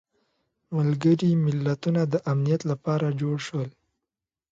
ملګري ملتونه د امنیت لپاره جوړ شول.